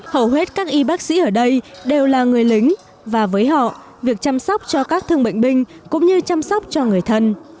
hầu hết các y bác sĩ ở đây đều là người lính và với họ việc chăm sóc cho các thương bệnh binh cũng như chăm sóc cho người thân